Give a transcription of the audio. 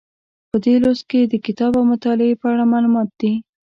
په دې لوست کې د کتاب او مطالعې په اړه معلومات دي.